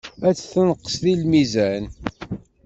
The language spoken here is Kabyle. Ad tenqes deg lmizan.